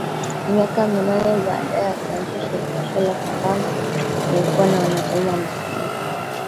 Miaka minane baada ya kuanzishwa Shirikisho la Kandanda lilikuwa na wanachama hamsini